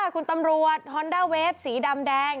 คุณตำรวจฮอนด้าเวฟสีดำแดง